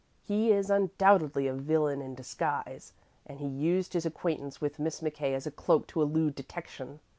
He is undoubtedly a villain in disguise, and he used his acquaintance with Miss McKay as a cloak to elude detection.